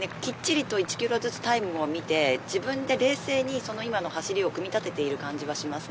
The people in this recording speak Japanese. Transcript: １キロずつちゃんとタイムを見て自分で冷静に今の走りを組み立てている感じがします。